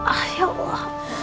ah ya allah